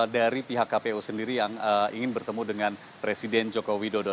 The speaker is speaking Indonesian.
dari pihak kpu sendiri yang ingin bertemu dengan presiden joko widodo